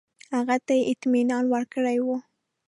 هغه ته یې اطمینان ورکړی وو.